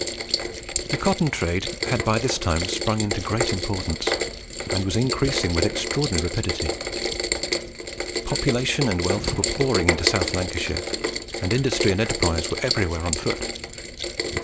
The Cotton Trade had by this time sprung into great importance, and was increasing with extraordinary rapidity. Population and wealth were pouring into South Lancashire, and industry and enterprise were everywhere on foot.